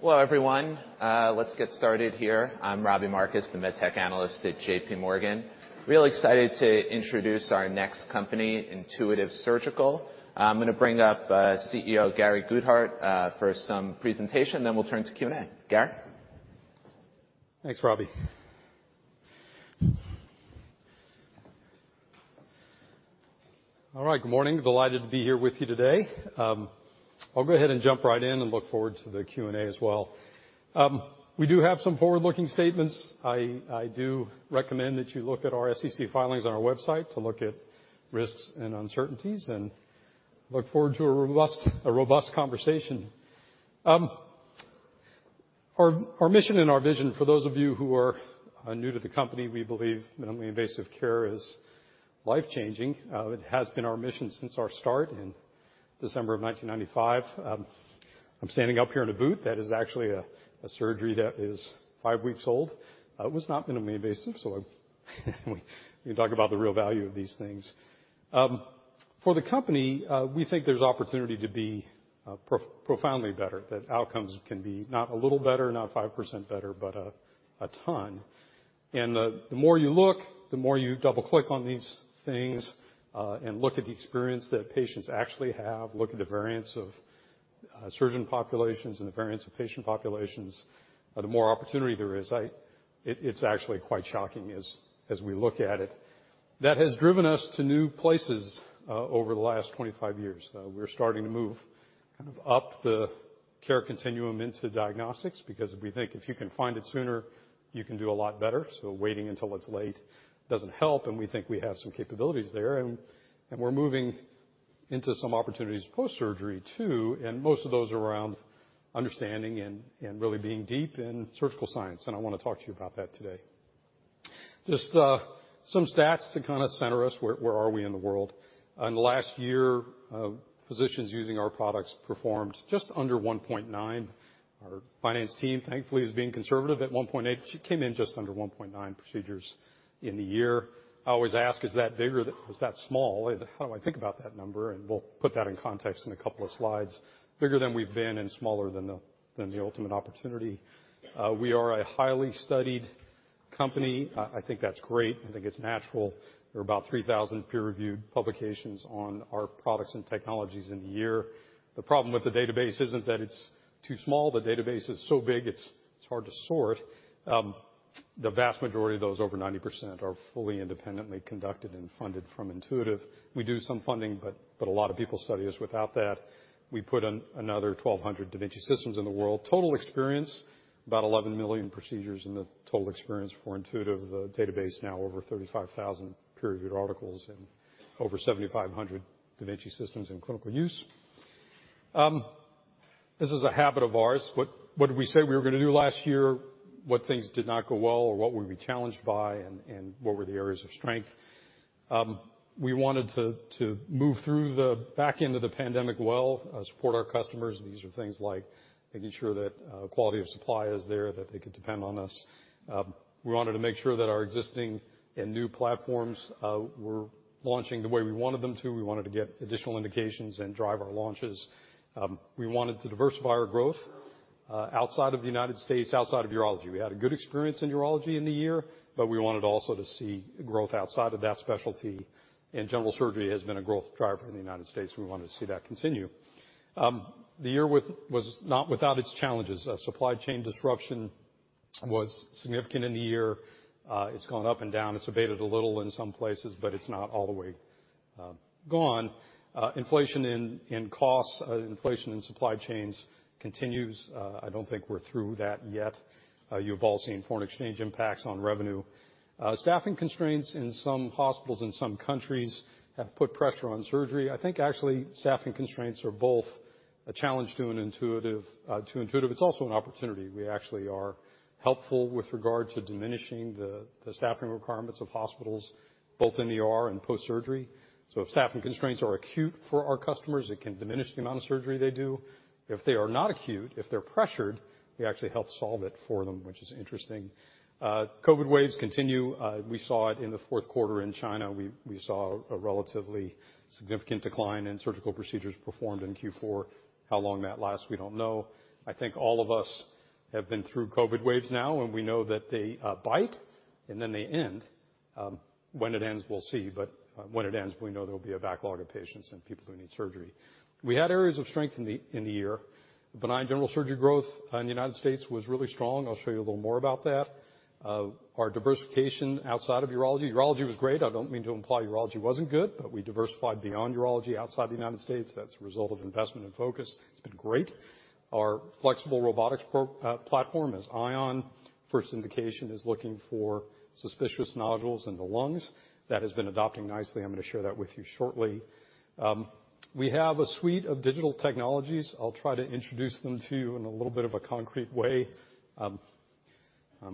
Hello, everyone. Let's get started here. I'm Robbie Marcus, the MedTech analyst at JPMorgan. Really excited to introduce our next company, Intuitive Surgical. I'm gonna bring up CEO, Gary Guthart, for some presentation, then we'll turn to Q&A. Gary? Thanks, Robbie. All right. Good morning. Delighted to be here with you today. I'll go ahead and jump right in and look forward to the Q&A as well. We do have some forward-looking statements. I do recommend that you look at our SEC filings on our website to look at risks and uncertainties, and look forward to a robust conversation. Our mission and our vision, for those of you who are new to the company, we believe minimally invasive care is life-changing. It has been our mission since our start in December of 1995. I'm standing up here in a boot. That is actually a surgery that is 5 weeks old. It was not minimally invasive, we can talk about the real value of these things. For the company, we think there's opportunity to be profoundly better, that outcomes can be not a little better, not 5% better, but a ton. The more you look, the more you double-click on these things, and look at the experience that patients actually have, look at the variance of surgeon populations and the variance of patient populations, the more opportunity there is. It's actually quite shocking as we look at it. That has driven us to new places over the last 25 years. We're starting to move kind of up the care continuum into diagnostics because we think if you can find it sooner, you can do a lot better. Waiting until it's late doesn't help, and we think we have some capabilities there. We're moving into some opportunities post-surgery too, and most of those are around understanding and really being deep in surgical science, I wanna talk to you about that today. Just some stats to kinda center us, where are we in the world. In the last year, Physicians using our products performed just under 1.9. Our finance team, thankfully, is being conservative at 1.8. She came in just under 1.9 procedures in the year. I always ask, is that bigger or is that small? How do I think about that number? We'll put that in context in a couple of slides. Bigger than we've been and smaller than the ultimate opportunity. We are a highly studied company. I think that's great. I think it's natural. There are about 3,000 peer-reviewed publications on our products and technologies in the year. The problem with the database isn't that it's too small. The database is so big, it's hard to sort. The vast majority of those, over 90%, are fully independently conducted and funded from Intuitive. We do some funding, but a lot of people study us without that. We put another 1,200 da Vinci systems in the world. Total experience, about 11 million procedures in the total experience for Intuitive. The database now over 35,000 peer-reviewed articles and over 7,500 da Vinci systems in clinical use. This is a habit of ours. What did we say we were gonna do last year? What things did not go well or what were we challenged by and what were the areas of strength? We wanted to move through the back end of the pandemic well, support our customers. These are things like making sure that quality of supply is there, that they could depend on us. We wanted to make sure that our existing and new platforms were launching the way we wanted them to. We wanted to get additional indications and drive our launches. We wanted to diversify our growth outside of the United States, outside of urology. We had a good experience in urology in the year, but we wanted also to see growth outside of that specialty. General surgery has been a growth driver in the United States. We wanted to see that continue. The year was not without its challenges. Supply chain disruption was significant in the year. It's gone up and down. It's abated a little in some places. It's not all the way gone. Inflation in costs, inflation in supply chains continues. I don't think we're through that yet. You've all seen foreign exchange impacts on revenue. Staffing constraints in some hospitals in some countries have put pressure on surgery. I think actually staffing constraints are both a challenge to Intuitive. It's also an opportunity. We actually are helpful with regard to diminishing the staffing requirements of hospitals, both in ER and post-surgery. If staffing constraints are acute for our customers, it can diminish the amount of surgery they do. If they are not acute, if they're pressured, we actually help solve it for them, which is interesting. COVID waves continue. We saw it in the fourth quarter in China. We saw a relatively significant decline in surgical procedures performed in Q4. How long that lasts, we don't know. I think all of us have been through COVID waves now, and we know that they bite and then they end. When it ends, we'll see. When it ends, we know there'll be a backlog of patients and people who need surgery. We had areas of strength in the year. Benign general surgery growth in the United States was really strong. I'll show you a little more about that. Our Diversification outside of urology. Urology was great. I don't mean to imply urology wasn't good, but we diversified beyond urology outside the United States. That's a result of investment and focus. It's been great. Our flexible robotics platform is Ion. First indication is looking for suspicious nodules in the lungs. That has been adopting nicely. I'm gonna share that with you shortly. We have a suite of digital technologies. I'll try to introduce them to you in a little bit of a concrete way. I'm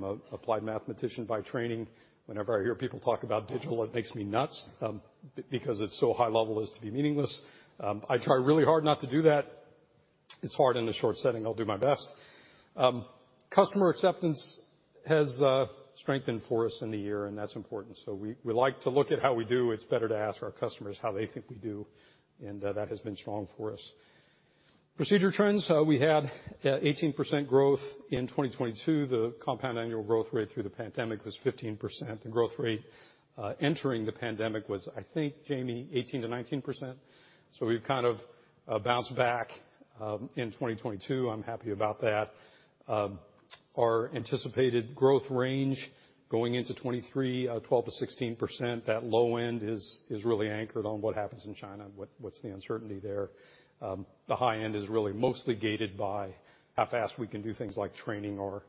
a applied mathematician by training. Whenever I hear people talk about digital, it makes me nuts because it's so high level as to be meaningless. I try really hard not to do that. It's hard in a short setting. I'll do my best. Customer acceptance has strengthened for us in the year, and that's important. We like to look at how we do. It's better to ask our customers how they think we do, and that has been strong for us. Procedure trends. We had 18% growth in 2022. The compound annual growth rate through the pandemic was 15%. The growth rate, entering the pandemic was, I think, Jamie, 18%-19%. We've kind of bounced back in 2022. I'm happy about that. Our anticipated growth range going into 2023, 12%-16%. That low end is really anchored on what happens in China. What's the uncertainty there? The high end is really mostly gated by how fast we can do things like training our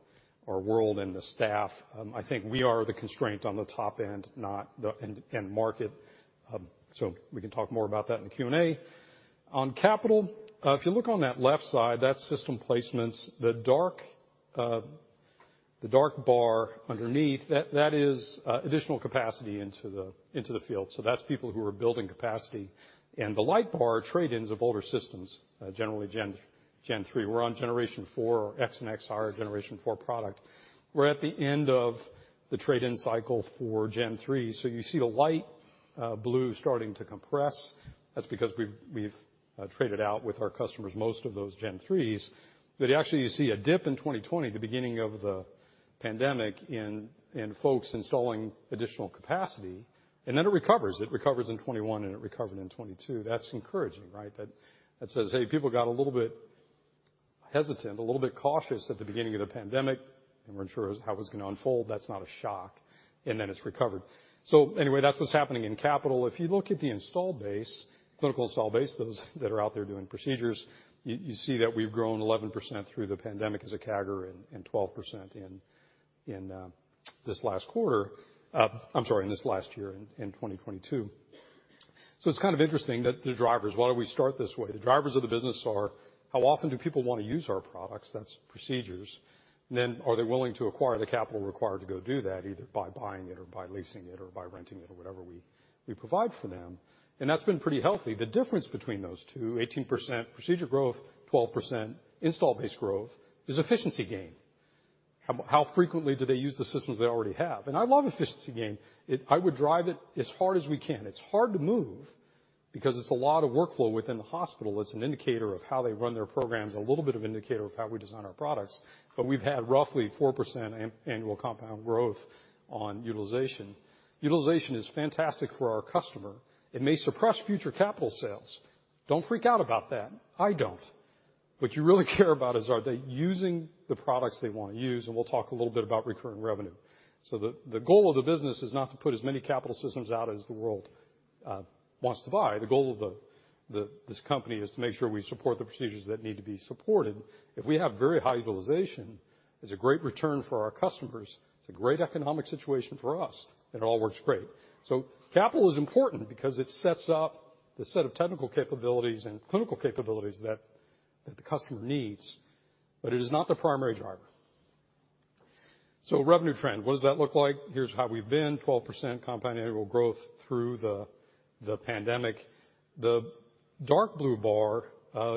world and the staff. I think we are the constraint on the top end, not the end market. We can talk more about that in the Q&A. On capital, if you look on that left side, that's system placements. The dark, the dark bar underneath, that is additional capacity into the field. That's people who are building capacity. The light bar are trade-ins of older systems, generally Gen 3. We're on gen four. X and Xi are Gen 4. Product. We're at the end of the trade-in cycle for Gen 3. You see the light blue starting to compress. That's because we've traded out with our customers most of those Gen 3s. Actually, you see a dip in 2020, the beginning of the pandemic, in folks installing additional capacity, and then it recovers. It recovers in 2021, and it recovered in 2022. That's encouraging, right? That says, hey, people got a little bit hesitant, a little bit cautious at the beginning of the pandemic. They weren't sure how it was gonna unfold. That's not a shock. It's recovered. Anyway, that's what's happening in capital. If you look at the install base, clinical install base, those that are out there doing procedures, you see that we've grown 11% through the pandemic as a CAGR and 12% in this last quarter. I'm sorry, in this last year in 2022. It's kind of interesting that the drivers, why don't we start this way? The drivers of the business are how often do people wanna use our products? That's procedures. Are they willing to acquire the capital required to go do that, either by buying it or by leasing it or by renting it or whatever we provide for them? That's been pretty healthy. The difference between those two, 18% procedure growth, 12% install base growth, is Efficiency Gain. How frequently do they use the systems they already have? I love Efficiency Gains. I would drive it as hard as we can. It's hard to move because it's a lot of workflow within the hospital. It's an indicator of how they run their programs, a little bit of indicator of how we design our products. We've had roughly 4% annual compound growth on utilization. Utilization is fantastic for our customer. It may suppress future capital sales. Don't freak out about that. I don't. What you really care about is are they using the products they wanna use? We'll talk a little bit about recurring revenue. The goal of the business is not to put as many capital systems out as the world wants to buy. The goal of this company is to make sure we support the procedures that need to be supported. If we have very high utilization, it's a great return for our customers. It's a great economic situation for us. It all works great. Capital is important because it sets up the set of technical capabilities and clinical capabilities that the customer needs, but it is not the primary driver. Revenue trend, what does that look like? Here's how we've been, 12% compound annual growth through the pandemic. The dark blue bar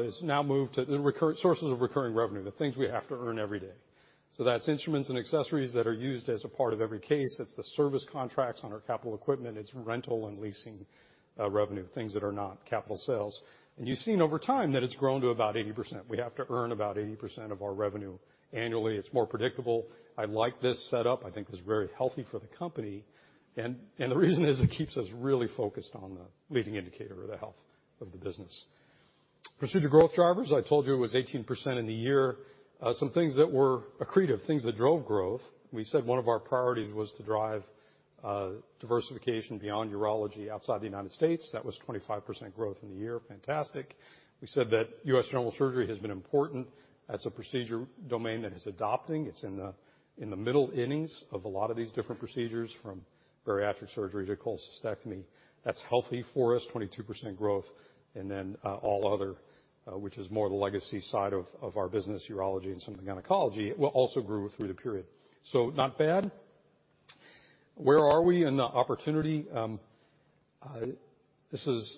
is now moved to the sources of recurring revenue, the things we have to earn every day. That's instruments and accessories that are used as a part of every case. That's the service contracts on our capital equipment. It's rental and leasing revenue, things that are not capital sales. You've seen over time that it's grown to about 80%. We have to earn about 80% of our revenue annually. It's more predictable. I like this setup. I think it's very healthy for the company. The reason is it keeps us really focused on the leading indicator of the health of the business. Procedure growth drivers, I told you it was 18% in the year. Some things that were accretive, things that drove growth. We said one of our priorities was to drive Diversification beyond urology outside the United States. That was 25% growth in the year. Fantastic. We said that US general surgery has been important. That's a procedure domain that is adopting. It's in the middle innings of a lot of these different procedures from bariatric surgery to cholecystectomy. That's healthy for us, 22% growth. Then, all other, which is more the legacy side of our business, urology and some of the gynecology, also grew through the period. Not bad. Where are we in the opportunity? This is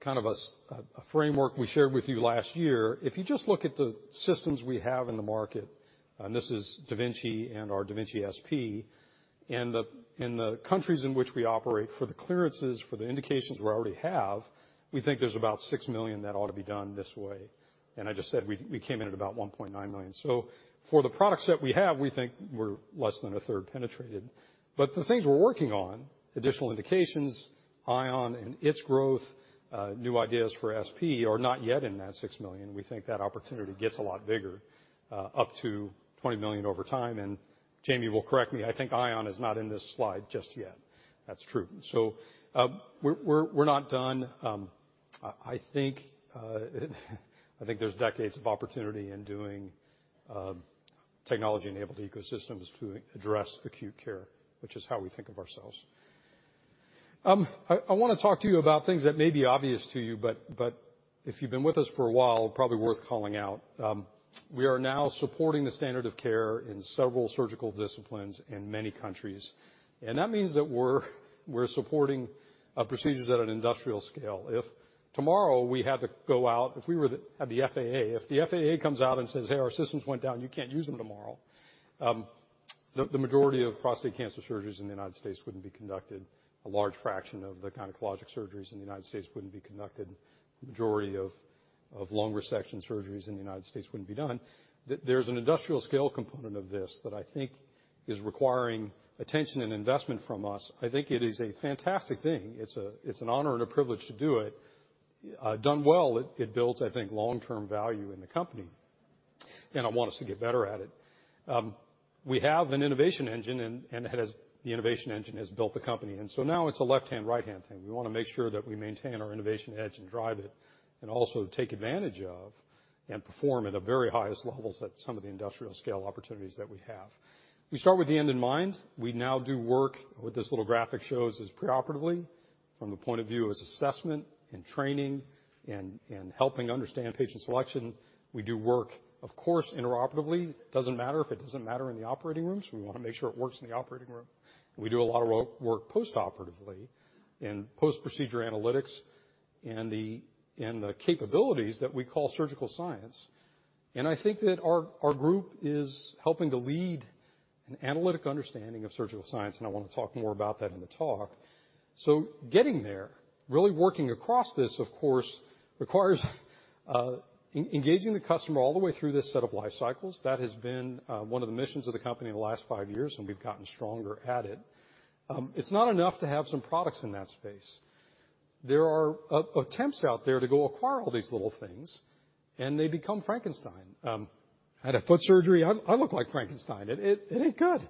kind of a framework we shared with you last year. If you just look at the systems we have in the market, this is da Vinci and our da Vinci SP, in the countries in which we operate for the clearances, for the indications we already have, we think there's about 6 million that ought to be done this way. I just said we came in at about 1.9 million. For the products that we have, we think we're less than a third penetrated. The things we're working on, additional indications, Ion and its growth, new ideas for SP are not yet in that $6 million. We think that opportunity gets a lot bigger, up to $20 million over time. Jamie will correct me, I think Ion is not in this slide just yet. That's true. We're not done. I think there's decades of opportunity in doing technology-enabled ecosystems to address acute care, which is how we think of ourselves. I wanna talk to you about things that may be obvious to you, but if you've been with us for a while, probably worth calling out. We are now supporting the standard of care in several surgical disciplines in many countries. That means that we're supporting procedures at an industrial scale. If tomorrow we had to go out, if we were the FAA, if the FAA comes out and says, "Hey, our systems went down, you can't use them tomorrow." The majority of prostate cancer surgeries in the United States wouldn't be conducted. A large fraction of the gynecologic surgeries in the United States wouldn't be conducted. The majority of lung resection surgeries in the United States wouldn't be done. There's an industrial scale component of this that I think is requiring attention and investment from us. I think it is a fantastic thing. It's an honor and a privilege to do it. Done well, it builds, I think, long-term value in the company. I want us to get better at it. We have an innovation engine and it has built the company. Now it's a left-hand/right-hand thing. We wanna make sure that we maintain our innovation edge and drive it, and also take advantage of and perform at the very highest levels at some of the industrial scale opportunities that we have. We start with the end in mind. We now do work, what this little graphic shows is preoperatively from the point of view as assessment and training and helping understand patient selection. We do work, of course, intraoperatively. Doesn't matter in the operating rooms. We wanna make sure it works in the operating room. We do a lot of work postoperatively and post-procedure analytics and the capabilities that we call surgical science. I think that our group is helping to lead an analytic understanding of surgical science, and I wanna talk more about that in the talk. Getting there, really working across this, of course, requires engaging the customer all the way through this set of life cycles. That has been one of the missions of the company in the last 5 years, and we've gotten stronger at it. It's not enough to have some products in that space. There are attempts out there to go acquire all these little things, and they become Frankenstein. I had a foot surgery. I look like Frankenstein. It ain't good.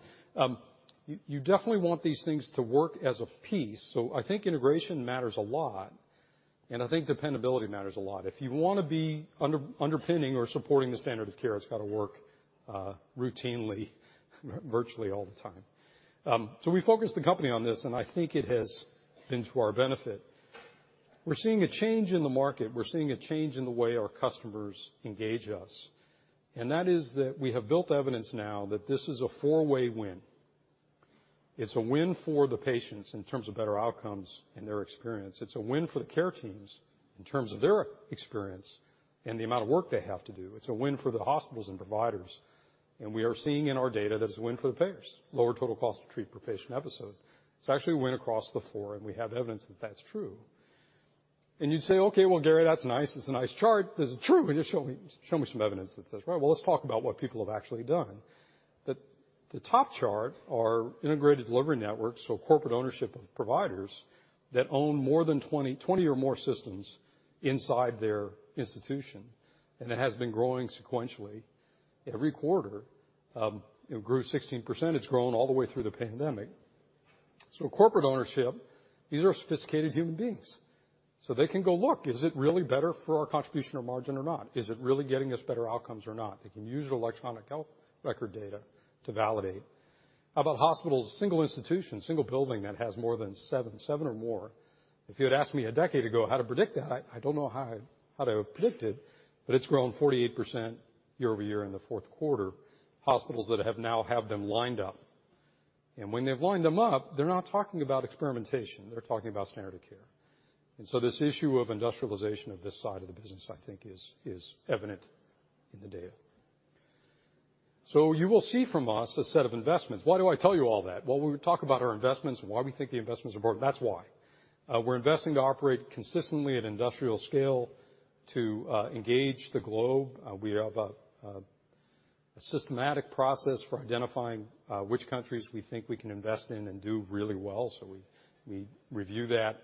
You definitely want these things to work as a piece, so I think integration matters a lot, and I think dependability matters a lot. If you wanna be underpinning or supporting the standard of care, it's gotta work routinely, virtually all the time. We focused the company on this, and I think it has been to our benefit. We're seeing a change in the market. We're seeing a change in the way our customers engage us. That is that we have built evidence now that this is a four-way win. It's a win for the patients in terms of better outcomes and their experience. It's a win for the care teams in terms of their experience and the amount of work they have to do. It's a win for the hospitals and providers. We are seeing in our data that it's a win for the payers. Lower total cost to treat per patient episode. It's actually a win across the floor, and we have evidence that that's true. You'd say, "Okay, well, Gary, that's nice. It's a nice chart. This is true, just show me some evidence that that's right. Well, let's talk about what people have actually done. The top chart are integrated delivery networks, so corporate ownership of providers that own more than 20. 20 or more systems inside their institution, it has been growing sequentially every quarter. It grew 16%. It's grown all the way through the pandemic. Corporate ownership, these are sophisticated human beings. They can go look. Is it really better for our contribution or margin or not? Is it really getting us better outcomes or not? They can use electronic health record data to validate. How about hospitals, single institution, single building that has more than seven or more? If you had asked me a decade ago how to predict that, I don't know how to have predicted, but it's grown 48% year-over-year in the fourth quarter. Hospitals that have now them lined up. When they've lined them up, they're not talking about experimentation. They're talking about standard of care. This issue of industrialization of this side of the business, I think, is evident in the data. You will see from us a set of investments. Why do I tell you all that? Well, when we talk about our investments and why we think the investments are important, that's why. We're investing to operate consistently at industrial scale to engage the globe. We have a systematic process for identifying which countries we think we can invest in and do really well. We review that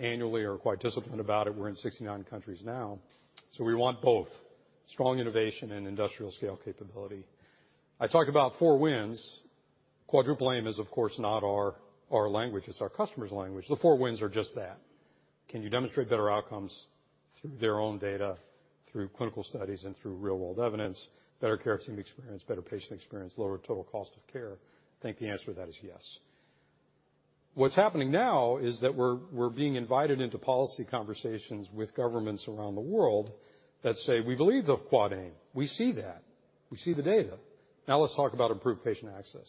annually. Are quite disciplined about it. We're in 69 countries now. We want both strong innovation and industrial scale capability. I talked about four wins. Quadruple Aim is, of course, not our language. It's our customer's language. The four wins are just that. Can you demonstrate better outcomes through their own data, through clinical studies, and through real-world evidence? Better care team experience, better patient experience, lower total cost of care. I think the answer to that is yes. What's happening now is that we're being invited into policy conversations with governments around the world that say, "We believe the Quad Aim. We see that. We see the data. Let's talk about improved patient access."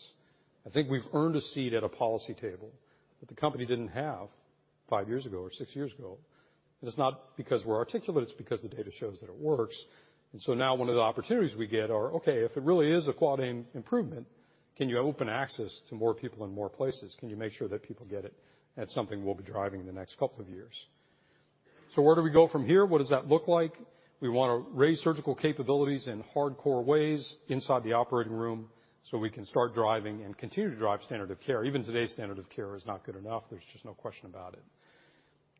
I think we've earned a seat at a policy table that the company didn't have five years ago or six years ago. It's not because we're articulate, it's because the data shows that it works. Now one of the opportunities we get are, okay, if it really is a Quad Aim improvement, can you open access to more people in more places? Can you make sure that people get it? That's something we'll be driving in the next couple of years. Where do we go from here? What does that look like? We wanna raise surgical capabilities in hardcore ways inside the operating room, so we can start driving and continue to drive standard of care. Even today's standard of care is not good enough. There's just no question about it.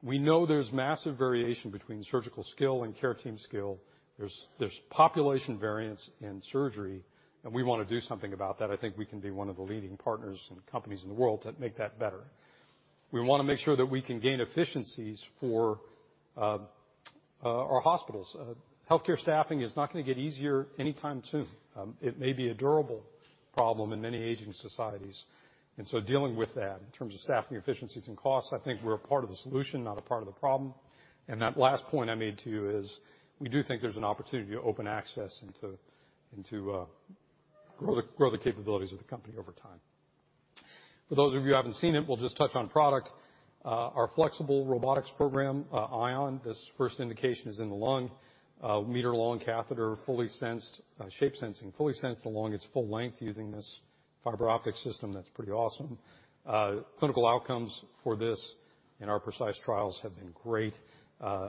We know there's massive variation between surgical skill and care team skill. There's population variance in surgery, and we wanna do something about that. I think we can be one of the leading partners and companies in the world to make that better. We wanna make sure that we can gain efficiencies for our hospitals. Healthcare staffing is not gonna get easier anytime soon. It may be a durable problem in many aging societies. Dealing with that in terms of staffing efficiencies and costs, I think we're a part of the solution, not a part of the problem. That last point I made to you is we do think there's an opportunity to open access and to grow the capabilities of the company over time. For those of you who haven't seen it, we'll just touch on product. Our flexible robotics program, Ion, this first indication is in the lung. A meter-long catheter, fully sensed, Shape-Sensing, fully sensed along its full length using this fiber optic system that's pretty awesome. Clinical outcomes for this in our PRECIsE trials have been great.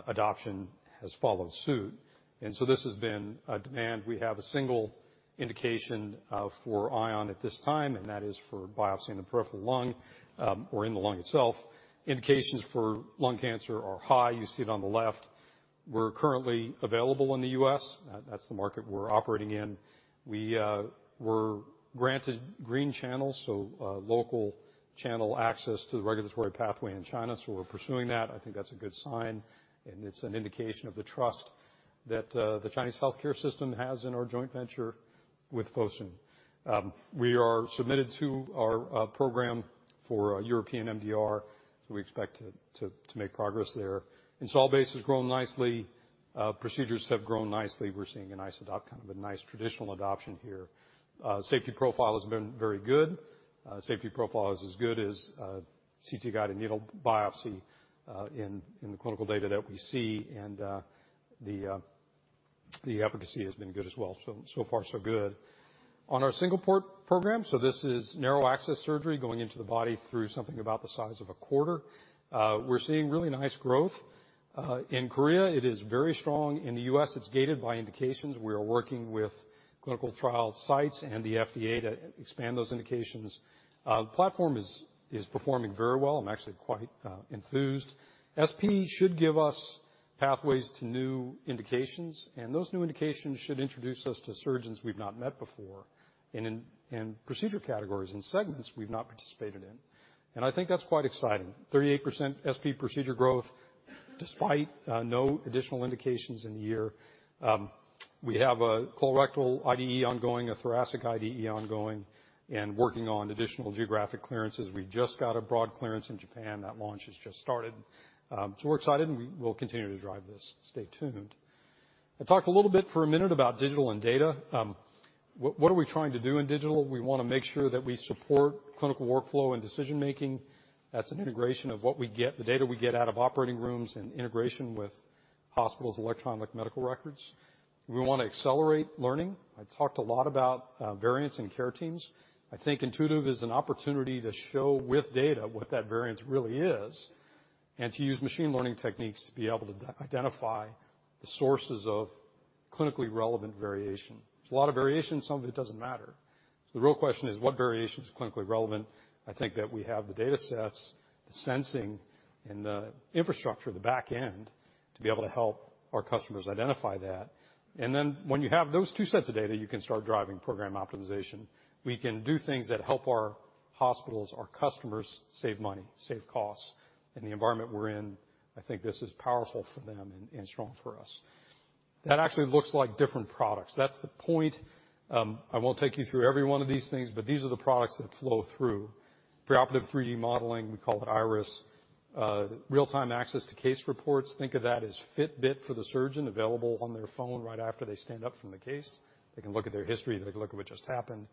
Adoption has followed suit. This has been a demand. We have a single indication for Ion at this time, and that is for biopsy in the peripheral lung, or in the lung itself. Indications for lung cancer are high. You see it on the left. We're currently available in the U.S. That's the market we're operating in. We were granted Green Channel, so local channel access to the regulatory pathway in China. We're pursuing that. I think that's a good sign, it's an indication of the trust that the Chinese healthcare system has in our joint venture with Fosun. We are submitted to our program for European MDR, we expect to make progress there. Install base has grown nicely. Procedures have grown nicely. We're seeing a nice traditional adoption here. Safety profile has been very good. Safety profile is as good as CT-guided needle biopsy in the clinical data that we see. The efficacy has been good as well. So far, so good. On our single port program, this is narrow access surgery going into the body through something about the size of a quarter. We're seeing really nice growth. In Korea, it is very strong. In the U.S., it's gated by indications. We are working with clinical trial sites and the FDA to expand those indications. The platform is performing very well. I'm actually quite enthused. SP should give us pathways to new indications, and those new indications should introduce us to surgeons we've not met before, in procedure categories and segments we've not participated in. I think that's quite exciting. 38% SP procedure growth despite no additional indications in the year. We have a colorectal IDE ongoing, a thoracic IDE ongoing, and working on additional geographic clearances. We just got a broad clearance in Japan. That launch has just started. We're excited, and we will continue to drive this. Stay tuned. I talked a little bit for a minute about digital and data. What are we trying to do in digital? We wanna make sure that we support clinical workflow and decision-making. That's an integration of what we get, the data we get out of operating rooms and integration with hospitals' electronic medical records. We wanna accelerate learning. I talked a lot about variance in care teams. I think Intuitive is an opportunity to show with data what that variance really is and to use machine learning techniques to be able to identify the sources of clinically relevant variation. There's a lot of variation. Some of it doesn't matter. The real question is, what variation is clinically relevant? I think that we have the datasets, the sensing, and the infrastructure, the back end, to be able to help our customers identify that. When you have those two sets of data, you can start driving program optimization. We can do things that help our hospitals, our customers, save money, save costs. In the environment we're in, I think this is powerful for them and strong for us. That actually looks like different products. That's the point. I won't take you through every one of these things, but these are the products that flow through. Preoperative 3D modeling, we call it Iris. Real-time access to case reports. Think of that as Fitbit for the surgeon available on their phone right after they stand up from the case. They can look at their history. They can look at what just happened.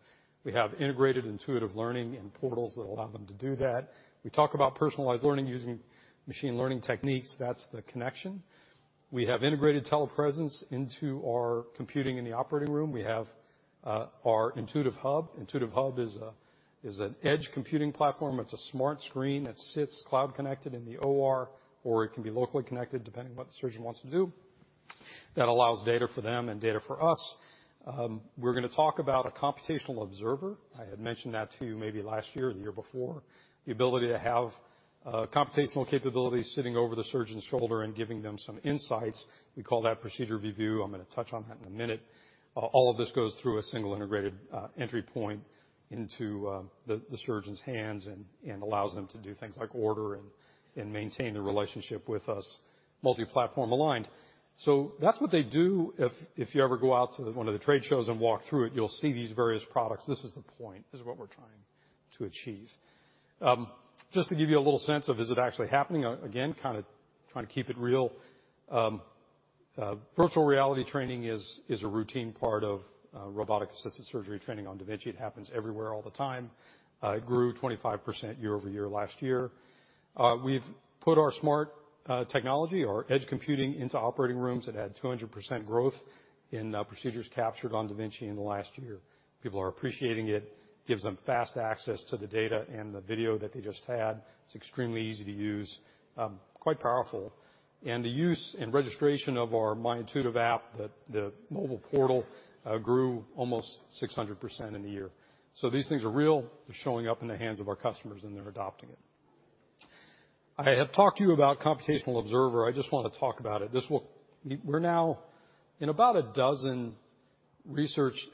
We have integrated intuitive learning and portals that allow them to do that. We talk about personalized learning using machine learning techniques. That's the connection. We have integrated telepresence into our computing in the operating room. We have our Intuitive Hub. Intuitive Hub is an edge computing platform. It's a smart screen that sits cloud connected in the OR, or it can be locally connected, depending on what the surgeon wants to do. That allows data for them and data for us. We're gonna talk about a Computational Observer. I had mentioned that to you maybe last year or the year before. The ability to have computational capabilities sitting over the surgeon's shoulder and giving them some insights. We call that Procedure Review. I'm gonna touch on that in one minute. All of this goes through a single integrated entry point into the surgeon's hands and allows them to do things like order and maintain a relationship with us, multi-platform aligned. That's what they do. If you ever go out to one of the trade shows and walk through it, you'll see these various products. This is the point. This is what we're trying to achieve. Just to give you a little sense of is it actually happening, again, kinda trying to keep it real. Virtual reality training is a routine part of robotic-assisted surgery training on da Vinci. It happens everywhere all the time. It grew 25% year-over-year last year. We've put our smart technology, our edge computing into operating rooms. It had 200% growth in procedures captured on da Vinci in the last year. People are appreciating it. Gives them fast access to the data and the video that they just had. It's extremely easy to use. Quite powerful. The use and registration of our My Intuitive app, the mobile portal, grew almost 600% in the year. These things are real. They're showing up in the hands of our customers, and they're adopting it. I have talked to you about Computational Observer. I just wanna talk about it. We're now in about a dozen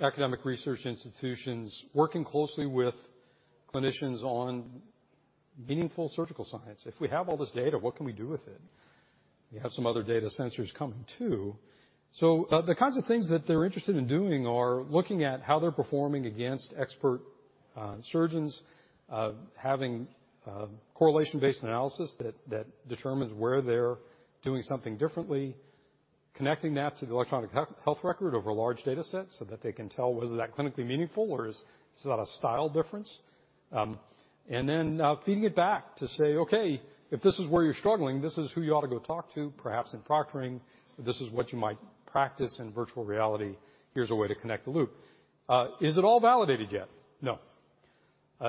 academic research institutions working closely with clinicians on meaningful surgical science. If we have all this data, what can we do with it? We have some other data sensors coming too. The kinds of things that they're interested in doing are looking at how they're performing against expert surgeons, having correlation-based analysis that determines where they're doing something differently. Connecting that to the electronic health record over large data sets so that they can tell whether that's clinically meaningful or is that a style difference. Then feeding it back to say, "Okay, if this is where you're struggling, this is who you ought to go talk to, perhaps in proctoring. This is what you might practice in virtual reality. Here's a way to connect the loop." Is it all validated yet? No.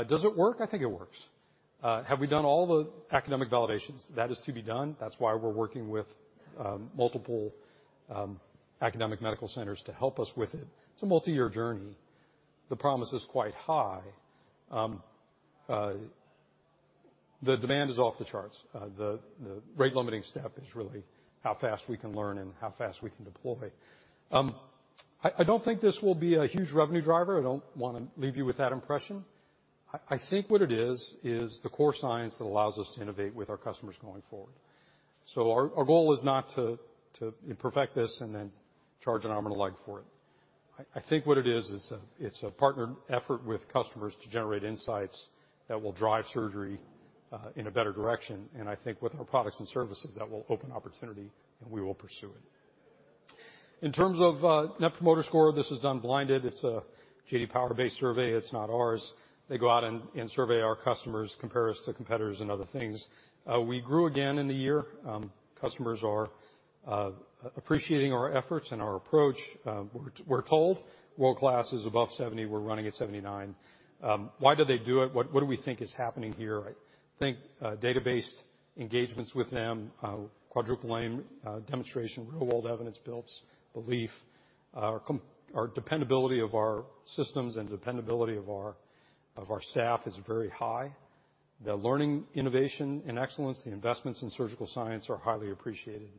Does it work? I think it works. Have we done all the academic validations? That is to be done. That's why we're working with multiple academic medical centers to help us with it. It's a multi-year journey. The promise is quite high. The demand is off the charts. The, the rate-limiting step is really how fast we can learn and how fast we can deploy. I don't think this will be a huge revenue driver. I don't wanna leave you with that impression. I think what it is the core science that allows us to innovate with our customers going forward. Our, our goal is not to perfect this and then charge an arm and leg for it. I think what it is, it's a partnered effort with customers to generate insights that will drive surgery in a better direction. I think with our products and services, that will open opportunity, and we will pursue it. In terms of Net Promoter Score, this is done blinded. It's a J.D. Power-based survey. It's not ours. They go out and survey our customers, compare us to competitors and other things. We grew again in the year. Customers are appreciating our efforts and our approach, we're told. World-class is above 70. We're running at 79. Why do they do it? What do we think is happening here? I think database engagements with them, Quadruple Aim demonstration, real-world evidence builds belief. Our dependability of our systems and dependability of our staff is very high. The learning, innovation, and excellence, the investments in surgical science are highly appreciated.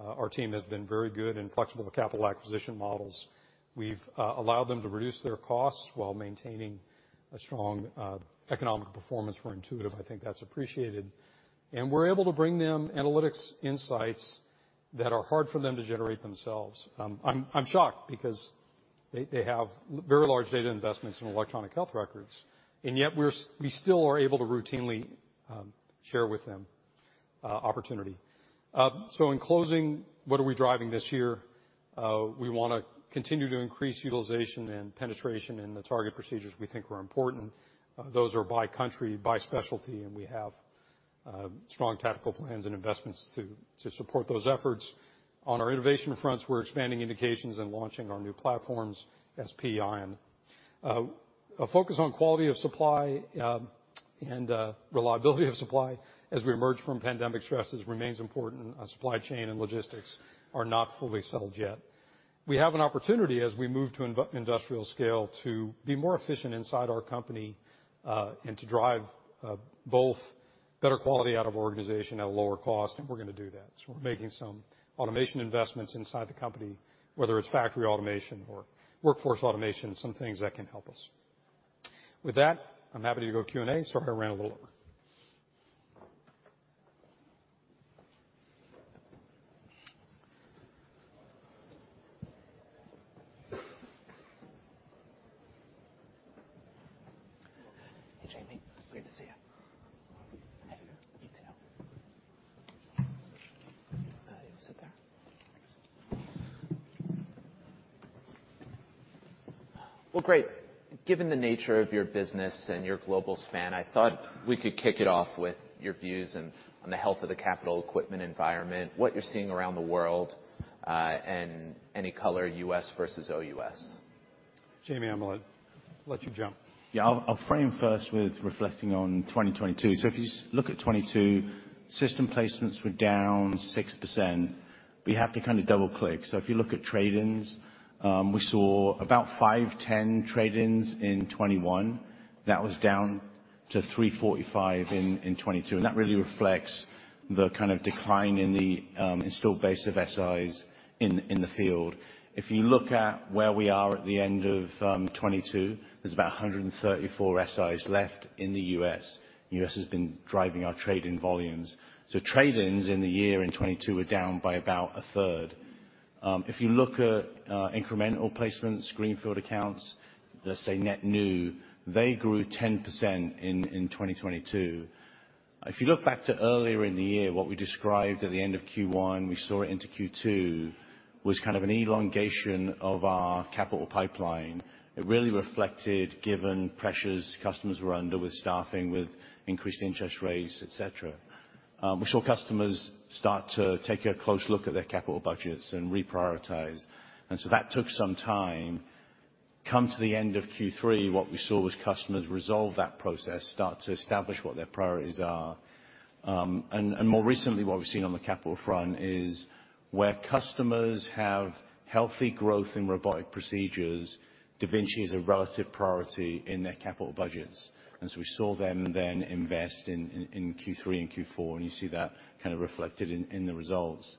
Our team has been very good and flexible with capital acquisition models. We've allowed them to reduce their costs while maintaining a strong economic performance for Intuitive. I think that's appreciated. We're able to bring them analytics insights that are hard for them to generate themselves. I'm shocked because they have very large data investments in electronic health records, and yet we still are able to routinely share with them opportunity. In closing, what are we driving this year? We wanna continue to increase utilization and penetration in the target procedures we think are important. Those are by country, by specialty, and we have strong tactical plans and investments to support those efforts. On our innovation fronts, we're expanding indications and launching our new platforms, SP and. A focus on quality of supply and reliability of supply as we emerge from pandemic stresses remains important. Our supply chain and logistics are not fully settled yet. We have an opportunity as we move to industrial scale to be more efficient inside our company, and to drive both better quality out of organization at a lower cost, and we're gonna do that. We're making some automation investments inside the company, whether it's factory automation or workforce automation and some things that can help us. With that, I'm happy to go Q&A. Sorry if I ran a little over. Hey, Jamie. Great to see you. Happy New Year. You too. You can sit there. Given the nature of your business and your global span, I thought we could kick it off with your views and on the health of the capital equipment environment, what you're seeing around the world, and any color U.S. versus OUS. Jamie, I'm gonna let you jump. Yeah. I'll frame first with reflecting on 2022. If you look at 2022, system placements were down 6%. We have to kind of double-click. If you look at trade-ins, we saw about 510 trade-ins in 2021. That was down to 345 in 2022, and that really reflects the kind of decline in the installed base of SIs in the field. If you look at where we are at the end of 2022, there's about 134 SIs left in the U.S. U.S. has been driving our trade-in volumes. Trade-ins in the year in 2022 were down by about a third. If you look at incremental placements, greenfield accounts, let's say net new, they grew 10% in 2022. If you look back to earlier in the year, what we described at the end of Q1, we saw it into Q2, was kind of an elongation of our capital pipeline. It really reflected, given pressures customers were under with staffing, with increased interest rates, et cetera. We saw customers start to take a close look at their capital budgets and reprioritize. That took some time. Come to the end of Q3, what we saw was customers resolve that process, start to establish what their priorities are. More recently, what we've seen on the capital front is where customers have healthy growth in robotic procedures, da Vinci is a relative priority in their capital budgets. We saw them then invest in Q3 and Q4, and you see that kind of reflected in the results.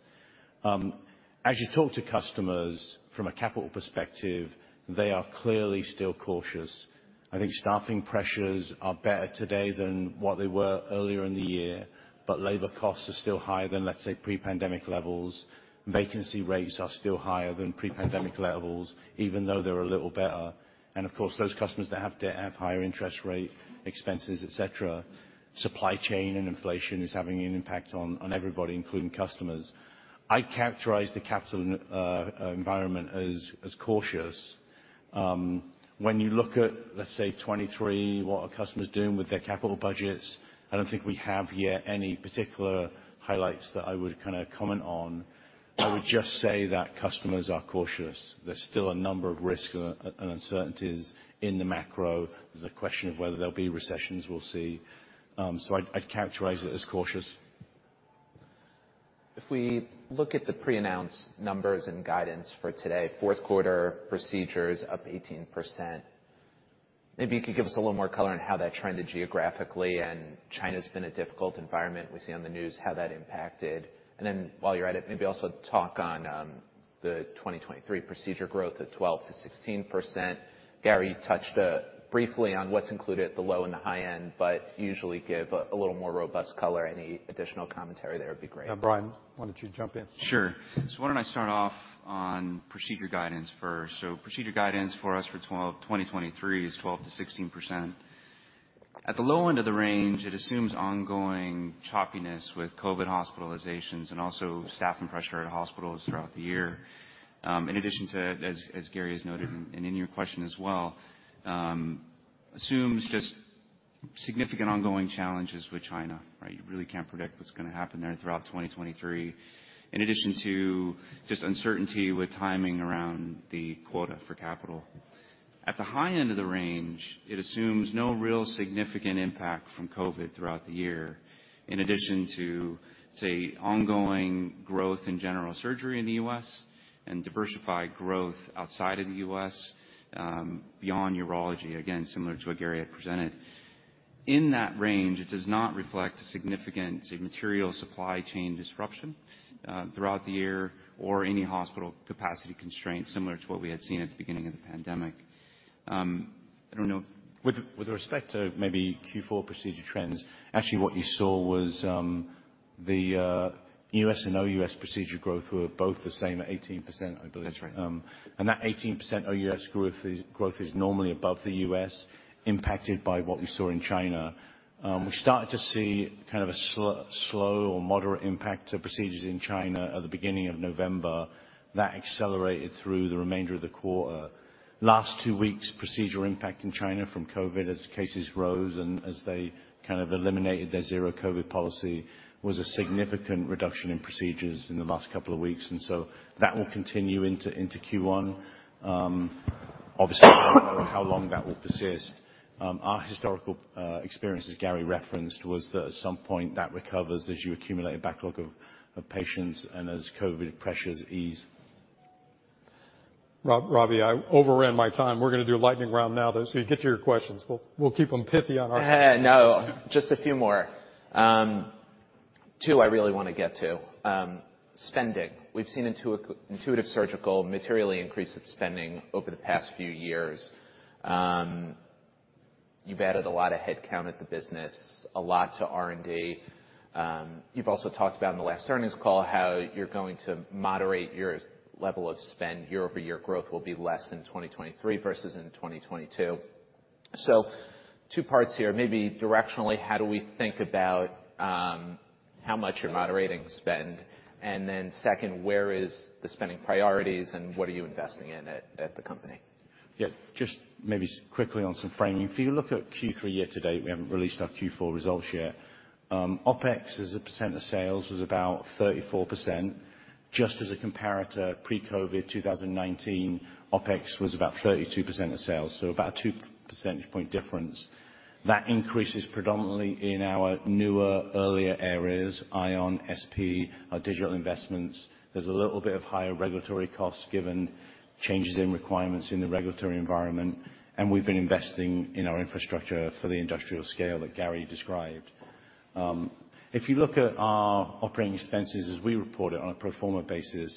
As you talk to customers from a capital perspective, they are clearly still cautious. I think staffing pressures are better today than what they were earlier in the year, but labor costs are still higher than, let's say, pre-pandemic levels. Vacancy rates are still higher than pre-pandemic levels, even though they're a little better. Of course, those customers that have debt have higher interest rate expenses, et cetera. Supply chain and inflation is having an impact on everybody, including customers. I'd characterize the capital environment as cautious. When you look at, let's say, 2023, what are customers doing with their capital budgets, I don't think we have yet any particular highlights that I would kind of comment on. I would just say that customers are cautious. There's still a number of risks and uncertainties in the macro. There's a question of whether there'll be recessions. We'll see. I'd characterize it as cautious. If we look at the pre-announced numbers and guidance for today, fourth quarter procedures up 18%. Maybe you could give us a little more color on how that trended geographically. China's been a difficult environment. We see on the news how that impacted. While you're at it, maybe also talk on the 2023 procedure growth at 12%-16%. Gary, you touched briefly on what's included at the low and the high end, usually give a little more robust color. Any additional commentary there would be great. Yeah, Brian, why don't you jump in? Sure. Why don't I start off on procedure guidance first. Procedure guidance for us for 2023 is 12%-16%. At the low end of the range, it assumes ongoing choppiness with COVID hospitalizations and also staffing pressure at hospitals throughout the year. In addition to, as Gary has noted, and in your question as well, assumes just significant ongoing challenges with China. Right? You really can't predict what's gonna happen there throughout 2023. In addition to just uncertainty with timing around the quota for capital. At the high end of the range, it assumes no real significant impact from COVID throughout the year, in addition to, say, ongoing growth in general surgery in the U.S. and diversified growth outside of the U.S., beyond urology, again, similar to what Gary had presented. In that range, it does not reflect significant material supply chain disruption, throughout the year or any hospital capacity constraints similar to what we had seen at the beginning of the pandemic. With respect to maybe Q4 procedure trends, actually what you saw was the U.S. and OUS procedure growth were both the same at 18%, I believe. That's right. That 18% OUS growth is normally above the U.S., impacted by what we saw in China. We started to see kind of a slow or moderate impact to procedures in China at the beginning of November. That accelerated through the remainder of the quarter. Last two weeks, procedural impact in China from COVID as cases rose and as they kind of eliminated their zero COVID policy, was a significant reduction in procedures in the last couple of weeks. That will continue into Q1. Obviously, we don't know how long that will persist. Our historical experience, as Gary referenced, was that at some point that recovers as you accumulate a backlog of patients and as COVID pressures ease. Ravi, I overran my time. We're gonna do a lightning round now, though, so you get to your questions. We'll keep them pithy on our end. No, just a few more. Two I really wanna get to. Spending. We've seen Intuitive Surgical materially increase its spending over the past few years. You've added a lot of headcount at the business, a lot to R&D. You've also talked about in the last earnings call how you're going to moderate your level of spend. Year-over-year growth will be less in 2023 versus in 2022. Two parts here. Maybe directionally, how do we think about how much you're moderating spend? Second, where is the spending priorities and what are you investing in at the company? Yeah. Just maybe quickly on some framing. If you look at Q3 year to date, we haven't released our Q4 results yet, OPEX as a percent of sales was about 34%. Just as a comparator, pre-COVID, 2019, OPEX was about 32% of sales, so about a 2 percentage point difference. That increase is predominantly in our newer, earlier areas, Ion, SP, our digital investments. There's a little bit of higher regulatory costs given changes in requirements in the regulatory environment, and we've been investing in our infrastructure for the industrial scale that Gary described. If you look at our operating expenses as we report it on a pro forma basis,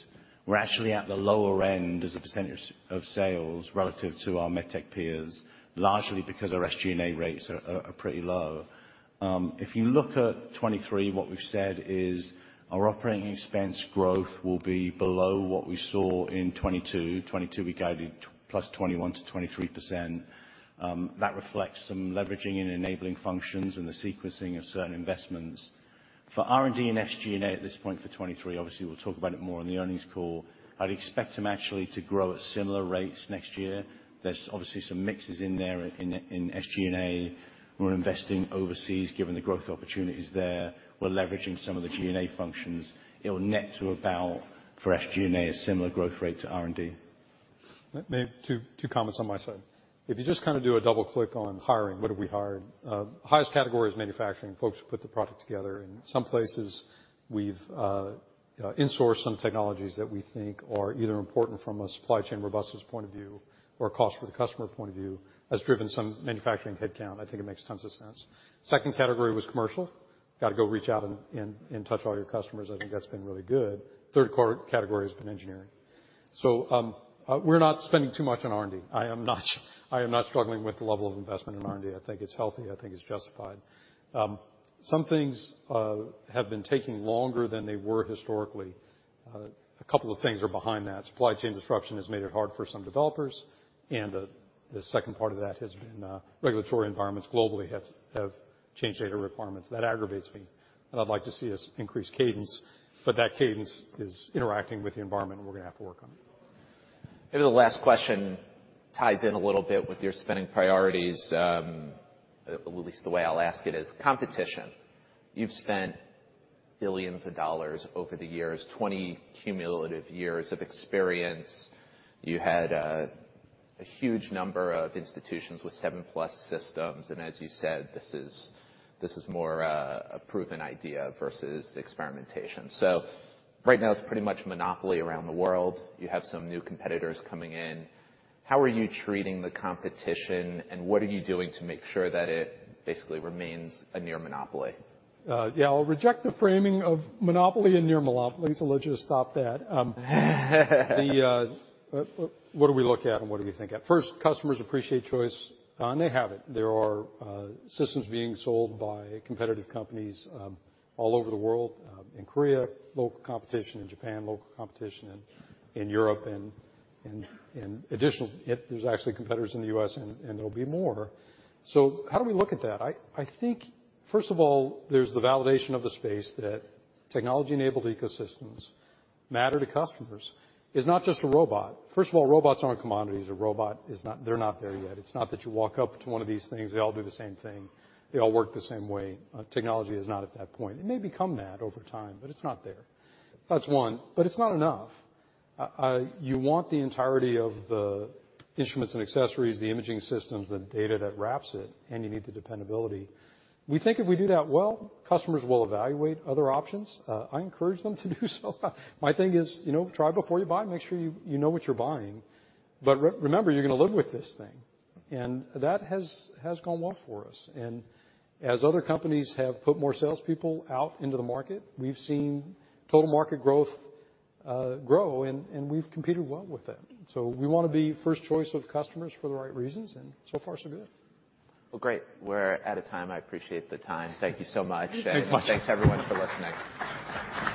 we're actually at the lower end as a percentage of sales relative to our MedTech peers, largely because our SG&A rates are pretty low. If you look at 2023, what we've said is our operating expense growth will be below what we saw in 2022. 2022, we guided plus 21%-23%. That reflects some leveraging in enabling functions and the sequencing of certain investments. For R&D and SG&A at this point for 2023, obviously, we'll talk about it more on the earnings call, I'd expect them actually to grow at similar rates next year. There's obviously some mixes in there in SG&A. We're investing overseas given the growth opportunities there. We're leveraging some of the G&A functions. It will net to about, for SG&A, a similar growth rate to R&D. Two comments on my side. If you just kind of do a double-click on hiring, what have we hired? Highest category is manufacturing, folks who put the product together. In some places, we've insourced some technologies that we think are either important from a supply chain robustness point of view or a cost for the customer point of view, has driven some manufacturing headcount. I think it makes tons of sense. Second category was commercial. Got to go reach out and touch all your customers. I think that's been really good. Third category has been engineering. We're not spending too much on R&D. I am not struggling with the level of investment in R&D. I think it's healthy. I think it's justified. Some things have been taking longer than they were historically. A couple of things are behind that. Supply chain disruption has made it hard for some developers, and the second part of that has been regulatory environments globally have changed data requirements. That aggravates me, and I'd like to see us increase cadence, but that cadence is interacting with the environment, and we're gonna have to work on it. Maybe the last question ties in a little bit with your spending priorities, at least the way I'll ask it is competition. You've spent $ billions over the years, 20 cumulative years of experience. You had a huge number of institutions with 7-plus systems, and as you said, this is more a proven idea versus experimentation. Right now it's pretty much monopoly around the world. You have some new competitors coming in. How are you treating the competition, and what are you doing to make sure that it basically remains a near monopoly? Yeah, I'll reject the framing of monopoly and near monopoly, let's just stop that. The, what do we look at and what do we think at? First, customers appreciate choice, they have it. There are systems being sold by competitive companies all over the world, in Korea, local competition in Japan, local competition in Europe and additional. There's actually competitors in the U.S., and there'll be more. How do we look at that? I think, first of all, there's the validation of the space that technology-enabled ecosystems matter to customers. It's not just a robot. First of all, robots aren't commodities. They're not there yet. It's not that you walk up to one of these things, they all do the same thing. They all work the same way. Technology is not at that point. It may become that over time, but it's not there. That's one. It's not enough. You want the entirety of the instruments and accessories, the imaging systems, the data that wraps it, and you need the dependability. We think if we do that well, customers will evaluate other options. I encourage them to do so. My thing is, you know, try before you buy. Make sure you know what you're buying. Remember, you're gonna live with this thing, and that has gone well for us. As other companies have put more salespeople out into the market, we've seen total market growth grow and we've competed well with that. We wanna be first choice of customers for the right reasons, and so far, so good. Well, great. We're out of time. I appreciate the time. Thank you so much. Thanks much. Thanks, everyone, for listening.